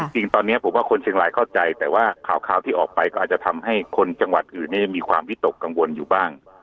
จริงตอนนี้ผมว่าคนเชียงรายเข้าใจแต่ว่าข่าวที่ออกไปก็อาจจะทำให้คนจังหวัดอื่นมีความวิตกกังวลอยู่บ้าง